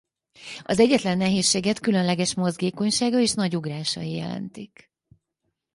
Az egyetlen nehézséget különleges mozgékonysága és nagy ugrásai jelentik.